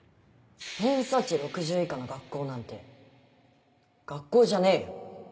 偏差値６０以下の学校なんて学校じゃねえよ